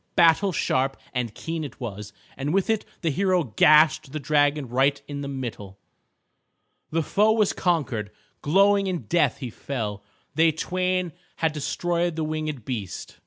Battle sharp and keen it was, and with it the hero gashed the dragon right in the middle. The foe was conquered. Glowing in death he fell. They twain had destroyed the winged beast.